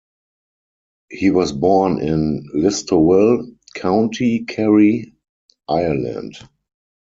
He was born in Listowel, County Kerry, Ireland.